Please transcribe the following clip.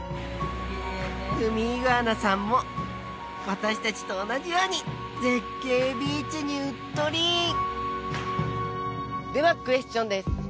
ウミイグアナさんも私達と同じように絶景ビーチにうっとりではクエスチョンです